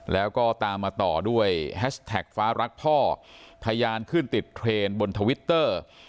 แล้วก็ตามมาต่อด้วยแฮชแท็กฟ้ารักพ่อทะยานขึ้นติดเทรนด์บนทวิตเตอร์